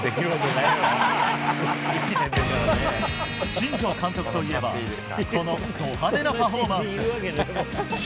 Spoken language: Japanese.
新庄監督といえばこのド派手なパフォーマンス。